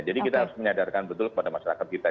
jadi kita harus menyadarkan betul kepada masyarakat kita